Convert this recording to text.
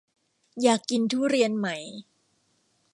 อยากกินทุเรียนไหม